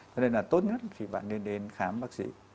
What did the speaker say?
cho nên là tốt nhất khi bạn nên đến khám bác sĩ